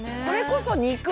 これこそ肉！